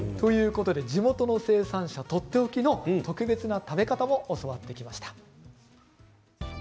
地元の生産者とっておきの特別な食べ方も教わってきました。